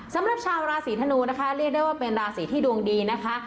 สำหรับชาวราศีธนูนะคะเรียกได้ว่าเป็นราศีที่ดวงดีนะคะ